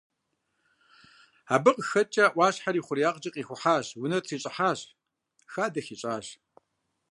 Абы къыхэкӏкӏэ, а ӏуащхьэр и хъуреягъкӏэ къихухьащ, унэ трищӏыхьащ, хадэ хищӏащ.